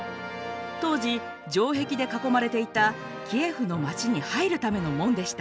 当時城壁で囲まれていたキエフの街に入るための門でした。